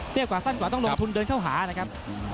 เตรียมกว่าสั้นต่างวงต้องลงทุนเดินเข้าหานะครับ